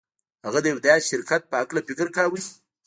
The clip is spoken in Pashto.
هغه د يوه داسې شرکت په هکله فکر کاوه.